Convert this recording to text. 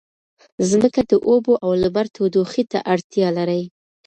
ځمکه د اوبو او لمر تودوخې ته اړتیا لري.